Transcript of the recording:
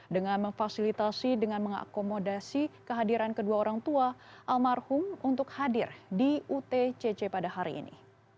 dengan memfasilitasi dengan mengakomodasi kehadiran kedua orang tua almarhum untuk hadir di utcc pada hari ini